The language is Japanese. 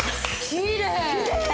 きれい！